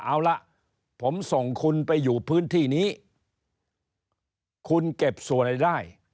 เอาล่ะผมส่งคุณไปอยู่พื้นที่นี้คุณเก็บส่วนอะไรได้